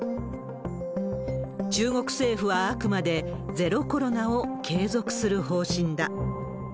中国政府はあくまでゼロコロナを継続する方針だ。